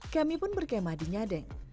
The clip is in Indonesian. kami pun berkemah di nyadeng